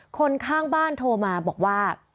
คนข้างบ้านโทรมาบอกว่า